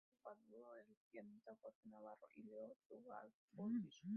Osvaldo Fattoruso, el pianista Jorge Navarro y Leo Sujatovich.